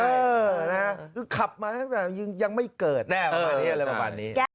เออนะครับคือขับมาตั้งแต่ยังไม่เกิดแน่ประมาณนี้